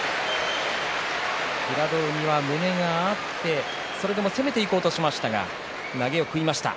平戸海は胸が合ってそれでも攻めていこうとしましたが投げを食いました。